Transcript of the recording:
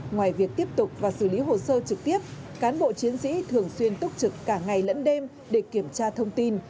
ngoài việc tiếp tục và xử lý hồ sơ trực tiếp cán bộ chiến sĩ thường xuyên túc trực cả ngày lẫn đêm để kiểm tra thông tin